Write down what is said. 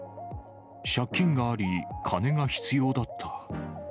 借金があり、金が必要だった。